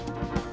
ga ada apa apa